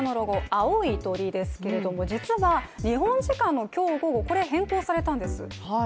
青い鳥ですけれども、実は日本時間の今日午後、これ変更されたんです。